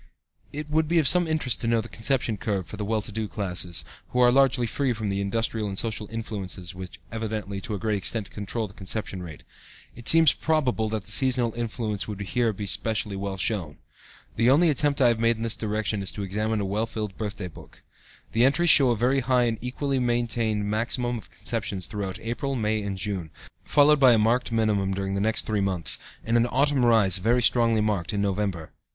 It would be of some interest to know the conception curve for the well to do classes, who are largely free from the industrial and social influences which evidently, to a great extent, control the conception rate. It seems probable that the seasonal influence would here be specially well shown. The only attempt I have made in this direction is to examine a well filled birthday book. The entries show a very high and equally maintained maximum of conceptions throughout April, May and June, followed by a marked minimum during the next three months, and an autumn rise very strongly marked, in November.